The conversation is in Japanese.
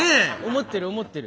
思ってる思ってる。